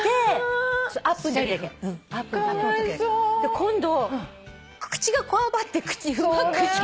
今度口がこわばって口うまく。